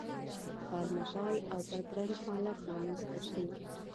غالمغال او بد رنګ حالت رامنځته کړي.